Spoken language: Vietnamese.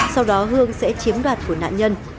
sau đó hương sẽ chiếm đoạt của nạn nhân